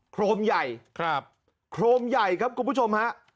โครงใหญ่ครับโครมใหญ่ครับคุณผู้ชมฮะ